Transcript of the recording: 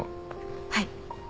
はい。